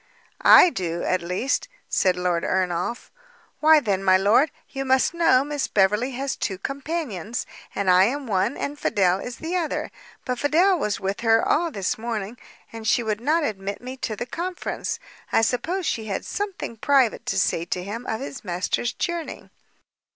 "I do, at least," said Lord Ernolf. "Why then, my lord, you must know, Miss Beverley has two companions, and I am one, and Fidel is the other; but Fidel was with her all this morning, and she would not admit me to the conference. I suppose she had something private to say to him of his master's journey."